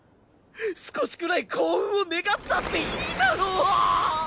少しくらい幸運を願ったっていいだろ！